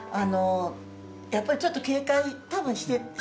やっぱりちょっと警戒多分してますよね。